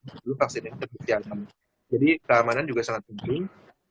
sebelum vaksin ini terbukti alam jadi keamanan juga sangat penting